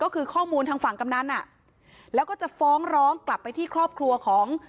ก็คือข้อมูลทางฝั่งกำนันอ่ะแล้วก็จะฟ้องร้องกลับไปที่ครอบครัวของ